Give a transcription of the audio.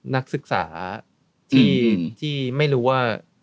นักศึกษาที่ไม่รู้ว่า